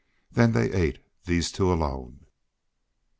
Then they ate, these two alone.